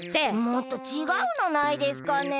もっとちがうのないですかね？